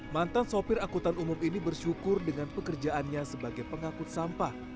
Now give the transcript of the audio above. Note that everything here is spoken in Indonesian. mantan sopir angkutan umum ini bersyukur dengan pekerjaannya sebagai pengakut sampah